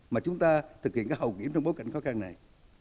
mà chúng ta thực hiện cái hầu kiểm trong bối cảnh khó khăn này